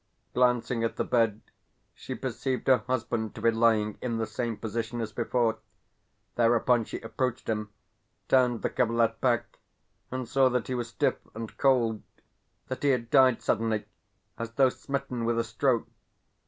Glancing at the bed, she perceived her husband to be lying in the same position as before. Thereupon she approached him, turned the coverlet back, and saw that he was stiff and cold that he had died suddenly, as though smitten with a stroke.